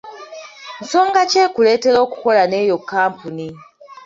Nsonga ki ekuleetera okukola n'eyo kkampuni?